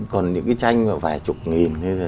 còn những cái tranh vài chục nghìn